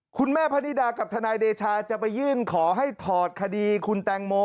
พระนิดากับทนายเดชาจะไปยื่นขอให้ถอดคดีคุณแตงโม